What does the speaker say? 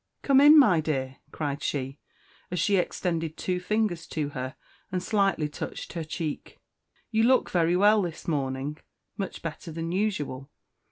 "Come in, my dear," cried she, as she extended two fingers to her, and slightly touched her cheek. "You look very well this morning much better than usual.